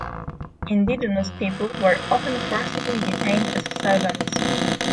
Indigenous people were often forcibly detained as servants.